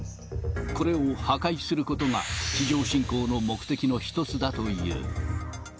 これを破壊することが、地上侵攻の目的の一つだという。